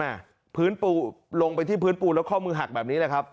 พื้นปูลงไปที่พื้นปูแล้วข้อมือหักแบบนี้แหละครับ